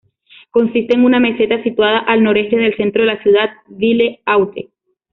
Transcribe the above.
Consiste en una meseta situada al noreste del centro de la ciudad, Ville Haute.